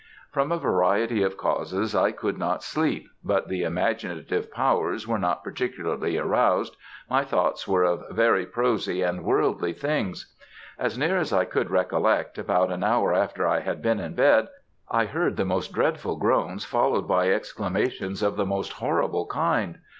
From a variety of causes I could not sleep but the imaginative powers were not particularly aroused my thoughts were of very prosy and worldly things. As near as I could recollect, about an hour after I had been in bed, I heard the most dreadful groans followed by exclamations of the most horrible kind.